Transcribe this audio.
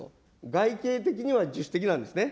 外形的には自主的なんですね。